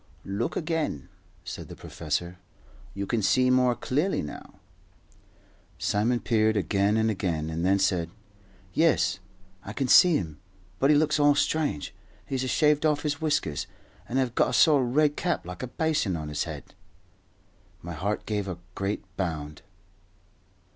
"Look again," said the professor. "You can see more clearly now." Simon peered again and again, and then said, "Yes, I can see him; but he looks all strange. He's a shaved off his whiskers, and hev got a sort o' red cap, like a baisin, on his head." My heart gave a great bound.